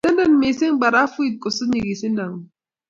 tenden mising barafuit kusut nyegisindo ng'ung'